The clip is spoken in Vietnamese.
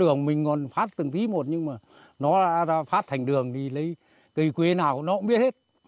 thường mình còn phát từng tí một nhưng mà nó ra ra phát thành đường thì lấy cây quế nào nó cũng biết hết